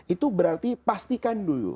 itu berarti pastikan dulu